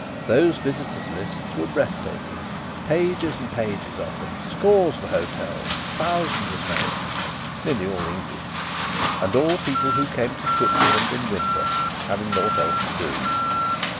Those visitors' lists were breath taking. Pages and pages of them; scores of hotels, thousands of names, nearly all English and all people who came to Switzerland in winter, having naught else to do.